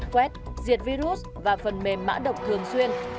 quét diệt virus và phần mềm mã độc thường xuyên